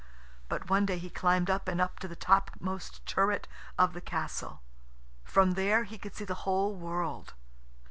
But one day he climbed up and up to the topmost turret of the castle. From there he could see the whole world.